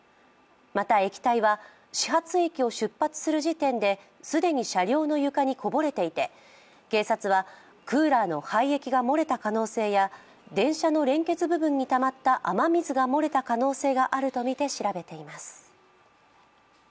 また液体は、始発駅を出発する時点で既に車両の床にこぼれていて警察は、クーラーの廃液が漏れた可能性や電車の連結部分にたまった雨水がもれた可能性があるとみて調べています。